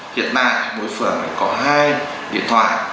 hiện tại mỗi phường có hai điện thoại